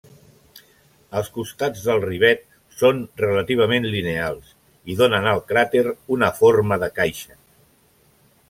Els costats del rivet són relativament lineals, i donen al cràter una forma de caixa.